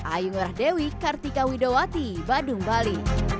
ayung rahdewi kartika widowati badung bali